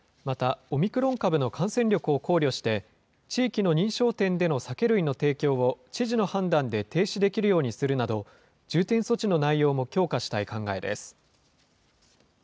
また、オミクロン株の感染力を考慮して、地域の認証店での酒類の提供を、知事の判断で停止できるようにするなど、重点措置の内容も強化したい考えです。